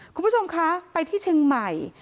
คุณผู้ชมคะไปที่เชียงใหม่